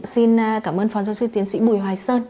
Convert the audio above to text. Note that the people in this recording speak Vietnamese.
xin cảm ơn phó giáo sư tiến sĩ bùi hoài sơn